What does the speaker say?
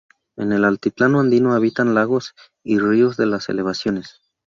En el altiplano andino habitan lagos y ríos de las elevaciones.